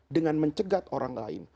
dengan mencegat orang lain